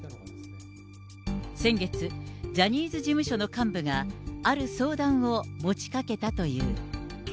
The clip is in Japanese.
先月、ジャニーズ事務所の幹部が、ある相談を持ちかけたという。